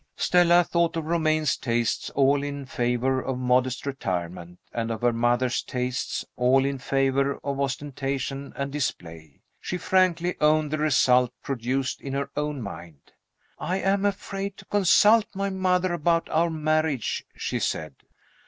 Stella thought of Romayne's tastes, all in favor of modest retirement, and of her mother's tastes, all in favor of ostentation and display. She frankly owned the result produced in her own mind. "I am afraid to consult my mother about our marriage," she said.